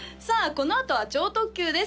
このあとは超特急です